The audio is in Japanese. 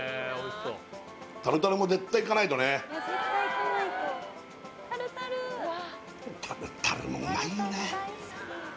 タルタルも絶対いかないとねタルタルもうまいよね